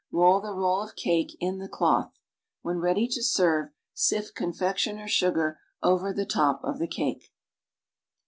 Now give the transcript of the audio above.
Roll the roll of cake in the cloth. When ready to serve, sift confectioner's sugar over the top of the cake.